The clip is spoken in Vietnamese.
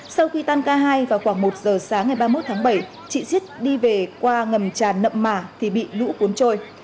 sau khi tan ca hai vào khoảng một giờ sáng ngày ba mươi một tháng bảy chị diết đi về qua ngầm tràn nậm mả thì bị lũ cuốn trôi